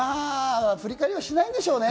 振り返りはしないんでしょうね。